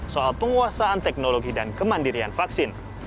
soal penguasaan teknologi dan kemanusiaan